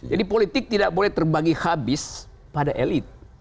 jadi politik tidak boleh terbagi habis pada elit